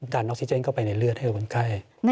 ออกซิเจนเข้าไปในเลือดให้คนไข้